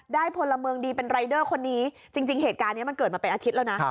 พลเมืองดีเป็นรายเดอร์คนนี้จริงเหตุการณ์นี้มันเกิดมาเป็นอาทิตย์แล้วนะ